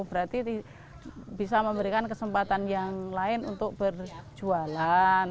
berarti bisa memberikan kesempatan yang lain untuk berjualan